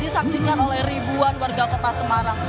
disaksikan oleh ribuan warga kota semarang